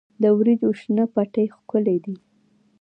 د وریجو شنه پټي ښکلي دي.